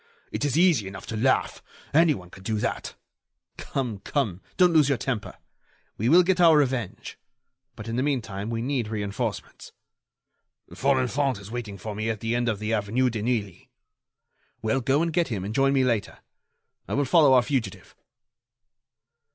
It is easy enough to laugh! Anyone can do that." "Come, come, don't lose your temper! We will get our revenge. But, in the meantime, we need reinforcements." "Folenfant is waiting for me at the end of the avenue de Neuilly." "Well, go and get him and join me later. I will follow our fugitive."